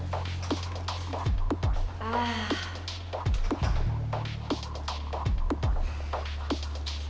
ya baik baik baik